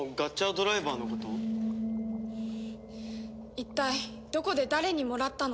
一体どこで誰にもらったの？